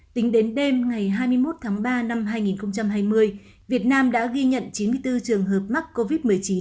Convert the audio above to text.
tính đến đêm ngày hai mươi một tháng ba năm hai nghìn hai mươi việt nam đã ghi nhận chín mươi bốn trường hợp mắc covid một mươi chín